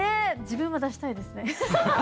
自分は出したいですね。